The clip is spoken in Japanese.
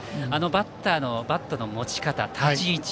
バッターのバットの持ち方、立ち位置。